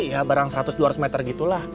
ya barang seratus dua ratus meter gitulah